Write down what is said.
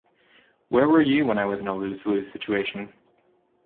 Where were you when I was in a lose, lose situation?